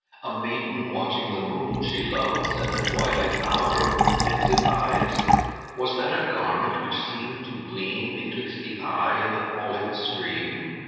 A maiden, watching the moon she loves, At the twilight hour, with pensive eyes? Was that a garment which seemed to gleam Betwixt the eye and the falling stream?